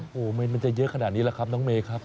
โอ้โหมันจะเยอะขนาดนี้ล่ะครับน้องเมย์ครับ